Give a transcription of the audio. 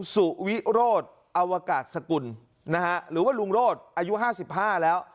สุวิโรธอวกาศสกุลนะฮะหรือว่าลุงโรธอายุ๕๕แล้ว